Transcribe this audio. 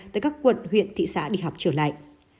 tại các quận huyện thị xã đi học trở lại